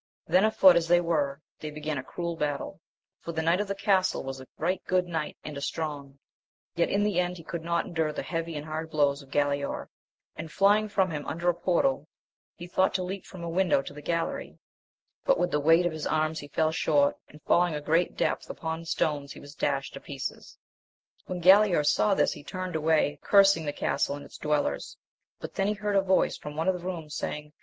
Then, afoot as they were, they began a cruel battle, for the knight of the castle was a right good knight and a strong ; yet in the end he could not endure the heavy and hard blows of Gralaor, and flying from him under a portal, he thought to leap from a window to the gallery, but with the weight of his arms he fell short, and falling a great depth upon stones he was dashed to pieces. When Galaor saw this he turned away, cursing the castle and its dwellers; but then he heard a voice from one of the rooms, saying.